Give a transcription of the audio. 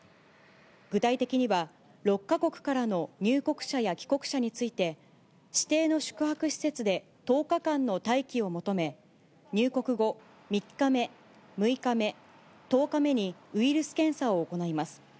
具体的には、６か国からの入国者や帰国者について、指定の宿泊施設で１０日間の待機を求め、入国後、３日目、６日目、１０日目にウイルス検査を行います。